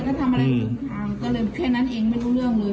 ก็ทำอะไรถึงทางก็เลยแค่นั้นเองไม่รู้เรื่องเลย